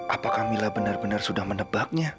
apa kamilah benar benar sudah menebaknya